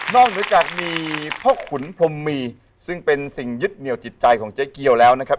เหนือจากมีพ่อขุนพรมมีซึ่งเป็นสิ่งยึดเหนียวจิตใจของเจ๊เกียวแล้วนะครับ